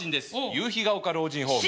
夕日が丘老人ホーム。